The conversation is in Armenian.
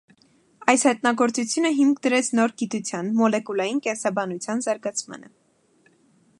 Այս հատնագործությունը հիմք դրեց նոր գիտության՝ մոլեկուլային կենսաբանության զարգացմանը։